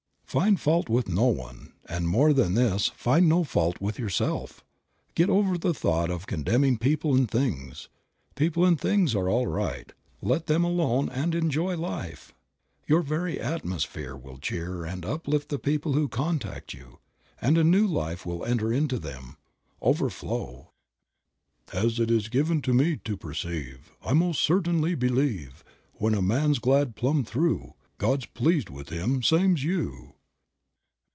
Find fault with no one, and more than this find no fault with yourself. Get over the thought of condemning people and things. People and things are all right; let them alone and enjoy life. Your 46 Creative Mind. very atmosphere will cheer and uplift the people who contact you, and a new life will enter into them. Overflow. "As it's given me to perceive, I most certainly believe When a man's glad plumb through, God's pleased with him same's you."